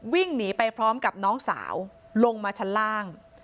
วิ่งหนีไปพร้อมกับน้องสาวลงมาชั้นล่าง